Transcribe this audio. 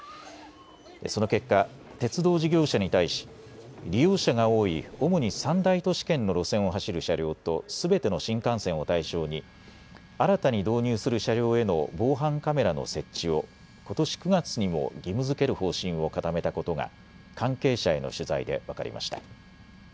その結果、鉄道事業者に対し利用者が多い、主に３大都市圏の路線を走る車両とすべての新幹線を対象に新たに導入する車両への防犯カメラの設置をことし９月にも義務づける方針を固めたことが関係者への取材で分かりました。